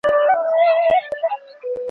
بهرنۍ پالیسي د زور له لارې نه حل کيږي.